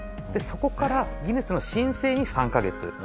そこからギネスの申請に３カ月。